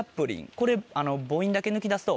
これ母音だけ抜き出すと。